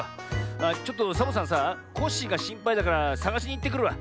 あっちょっとサボさんさコッシーがしんぱいだからさがしにいってくるわ。